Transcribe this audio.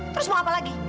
terus mau apa lagi